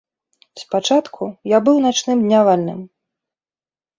Спачатку я быў начным днявальным.